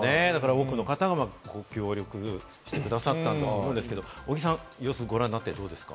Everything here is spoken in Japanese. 多くの方は協力してくださったとは思うんですけれども、小木さん、様子をご覧になってどうですか？